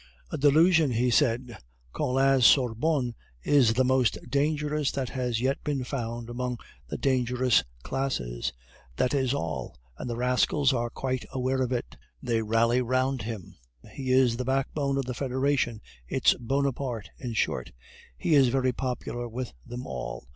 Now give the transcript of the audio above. "A delusion," he said. "Collin's sorbonne is the most dangerous that has yet been found among the dangerous classes. That is all, and the rascals are quite aware of it. They rally round him; he is the backbone of the federation, its Bonaparte, in short; he is very popular with them all.